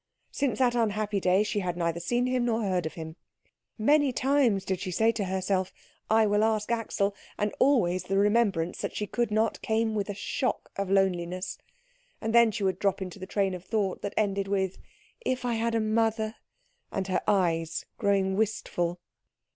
Since that unhappy day, she had neither seen him nor heard of him. Many times did she say to herself, "I will ask Axel," and always the remembrance that she could not came with a shock of loneliness; and then she would drop into the train of thought that ended with "if I had a mother," and her eyes growing wistful.